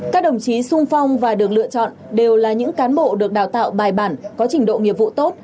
các đồng chí sung phong và được lựa chọn đều là những cán bộ được đào tạo bài bản có trình độ nghiệp vụ tốt